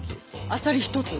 あさり一つ。